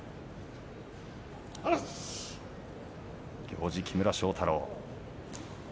行司、木村庄太郎